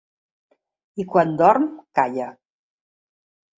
I quan dorm calla.